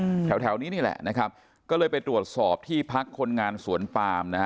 แถวแถวนี้นี่แหละนะครับก็เลยไปตรวจสอบที่พักคนงานสวนปามนะฮะ